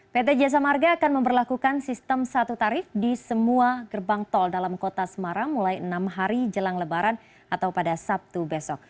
pt jasa marga akan memperlakukan sistem satu tarif di semua gerbang tol dalam kota semarang mulai enam hari jelang lebaran atau pada sabtu besok